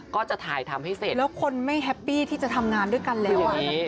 ก็จะถ่ายทำให้เสร็จแล้วคนไม่แฮปปี้ที่จะทำงานด้วยกันแล้ว